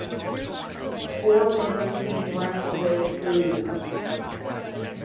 Four men were seen running away through the crowd.